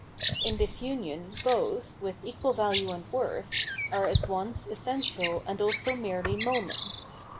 In this umon both, with equal value and worth, are at once essential and also merely moments.